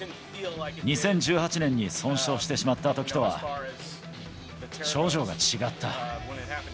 ２０１８年に損傷してしまったときとは症状が違った。